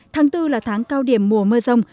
tháng bốn là tháng cao điểm mùa mưa rông